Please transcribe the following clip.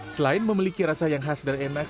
selain memiliki rasa yang khas dan enak